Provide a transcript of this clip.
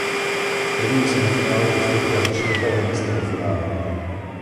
V prvním semifinále postoupila ze čtvrtého místa do finále.